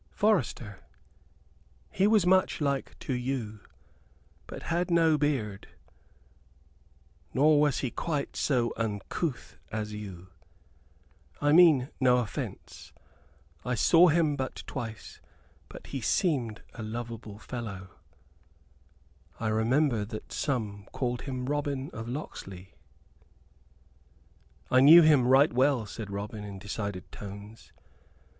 "Forester, he was much like to you; but had no beard, nor was he quite so uncouth as you. I mean no offence. I saw him but twice; but he seemed a lovable fellow. I remember that some called him Robin of Locksley." "I knew him right well," said Robin, in decided tones.